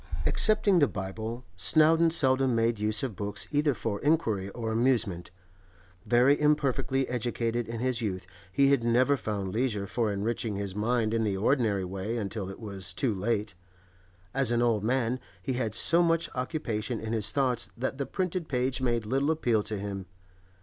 Excepting the Bible, Snowdon seldom made use of books either for inquiry or amusement. Very imperfectly educated in his youth, he had never found leisure for enriching his mind in the ordinary way until it was too late; as an old man he had so much occupation in his thoughts that the printed page made little appeal to him.